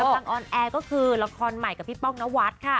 ตอนออนแอร์ก็คือละครใหม่กับพี่ป้องนวัดค่ะ